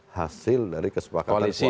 hasil dari kesepakatan koalisi